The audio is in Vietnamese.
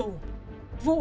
đối với thanh